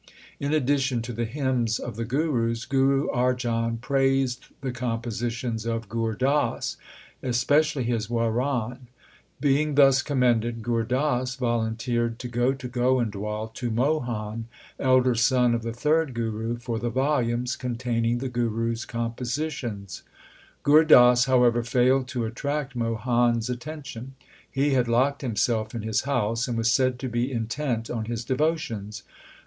In addition to the hymns of the Gurus, Guru Arjan praised the compositions of Gur Das, especially his Waran . Being thus commended, Gur Das volunteered to go to Goindwal, to Mohan, elder son of the third Guru, for the volumes containing the Guru s compositions. Gur Das, however, failed to attract Mohan s attention. He had locked himself in his house, and was said to be intent on his devo tions.